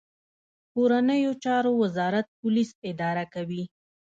کورنیو چارو وزارت پولیس اداره کوي